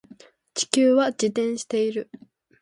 地球は自転している